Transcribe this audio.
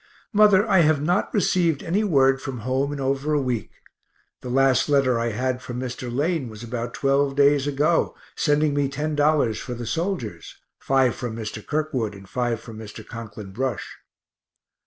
Mother, I have not rec'd any word from home in over a week the last letter I had from Mr. Lane was about twelve days ago, sending me $10 for the soldiers (five from Mr. Kirkwood and five from Mr. Conklin Brush).